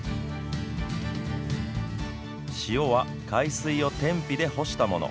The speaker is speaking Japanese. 塩は海水を天日で干したもの。